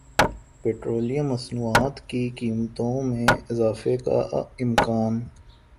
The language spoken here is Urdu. پیٹرولیم مصنوعات کی قیمتوں میں اضافے کا امکان